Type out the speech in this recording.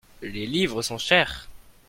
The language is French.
Les livres sont chers.